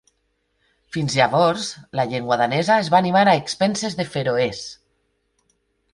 Fins llavors la llengua danesa es va animar a expenses de feroès.